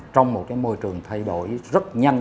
trong một cái môi trường thay đổi rất nhanh